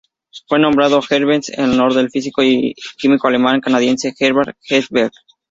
Fue nombrado Herzberg en honor al físico y químico alemán canadiense Gerhard Herzberg.